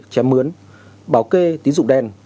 chém mướn bảo kê tín dụng đen